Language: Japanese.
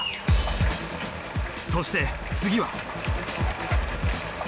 そして次は。